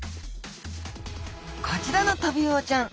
こちらのトビウオちゃん。